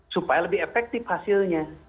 supaya lebih efektif hasilnya